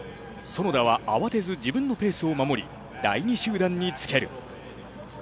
園田は慌てず自分のペースを守り、第２集団につける。